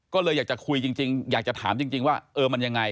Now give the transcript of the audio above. ก็เลยอยากจะคุยจริงอยากจะถามจริงว่าเออมันยังไง